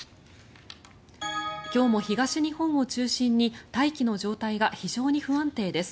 今日も東日本を中心に大気の状態が非常に不安定です。